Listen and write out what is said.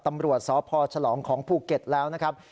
ตำรวจสพฉลองของภูเก็ตแล้วนะครับ